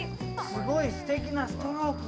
すごいすてきなストローク